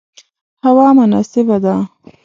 هوا مناسبه ده